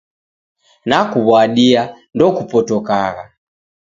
Nakuw'adia, ndokupotokagha.